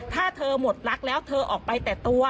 ถ้าเธอหมดรักแล้วเธอออกไปแต่ตัว